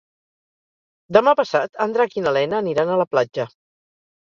Demà passat en Drac i na Lena aniran a la platja.